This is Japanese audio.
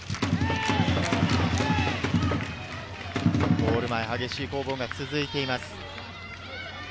ゴール前の激しい攻防が続いています。